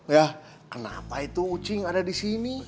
ya kenapa itu kucing ada di sini